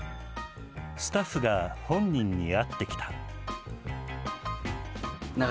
スタッフが本人に会ってきた。